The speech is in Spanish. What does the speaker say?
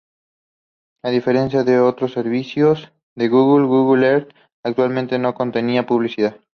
A diferencia de otros servicios de Google, Google Health, actualmente, no contenía publicidad.